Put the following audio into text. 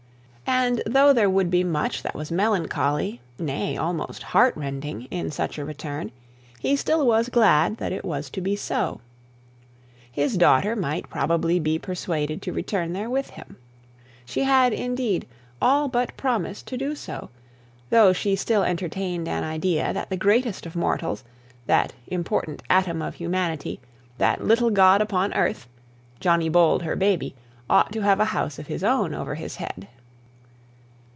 And though there would be much that was melancholy, nay, almost heartrending, in such a return, he still was glad that it was to be so. His daughter might probably be persuaded to return there with him. She had, indeed, all but promised to do so, though she still entertained an idea that the greatest of mortals, that important atom of humanity, that little god upon earth, Johnny Bold her baby, ought to have a house of his own over his head.